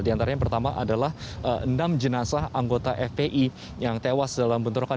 di antara yang pertama adalah enam jenazah anggota fpi yang tewas dalam bentrokan